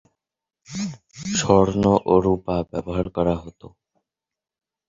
স্বর্ণ ও রূপা ব্যবহার করা হত।